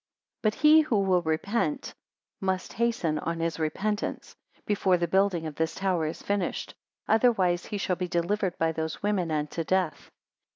225 But he who will repent must hasten on his repentance, before the building of this tower is finished; otherwise, he shall be delivered by those women unto death.